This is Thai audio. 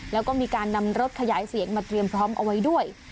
แล้วก็มีการนำรถขยายเสียงมาเตรียมพร้อมเอาไว้ด้วย